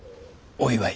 お祝い？